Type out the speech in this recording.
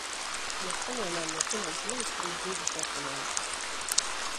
Mēs saņēmām no Finanšu ministrijas divus dokumentus.